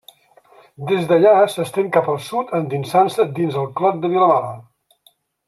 Des d'allà s'estén cap al sud endinsant-se dins el clot de Vilamala.